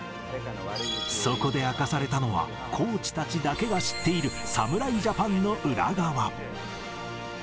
そこで明かされたのは、コーチたちだけが知っている侍ジャパンの裏側。